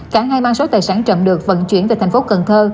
cả hai mang số tài sản trộm được vận chuyển về thành phố cần thơ